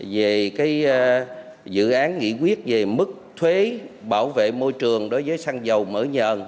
về cái dự án nghỉ quyết về mức thuế bảo vệ môi trường đối với xăng dầu mở nhờn